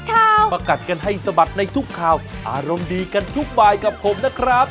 ประกัดกันให้สะบัดในทุกข่าวอารมณ์ดีกันทุกบายกับผมนะครับ